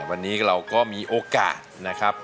วันนี้เราก็มีโอกาสนะครับ